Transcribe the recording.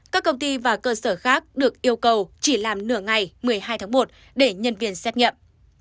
các công ty và cơ sở khác được yêu cầu chỉ làm nửa ngày một mươi hai tháng một để nhân viên xét nghiệm